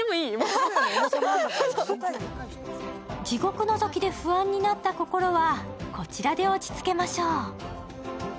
地獄のぞきで不安になった心はこちらで落ち着けましょう。